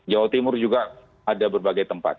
jawa timur juga ada berbagai tempat